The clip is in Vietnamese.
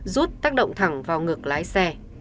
rút tác động thẳng vào ngực lái xe